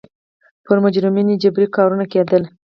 پر مجرمینو جبري کارونه کېدل.